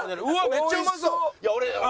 めっちゃうまそう！